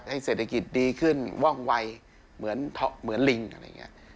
เศรษฐกิจดีขึ้นว่องวัยเหมือนลิงอะไรอย่างนี้